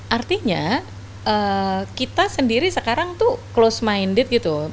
artinya kita sendiri sekarang tuh close minded gitu